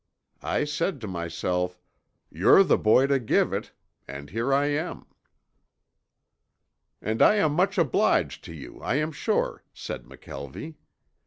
I said to myself, 'You're the boy to give it,' and here I am." "And I am much obliged to you, I am sure," said McKelvie.